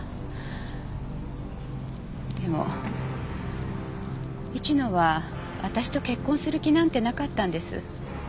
でも市野は私と結婚する気なんてなかったんです。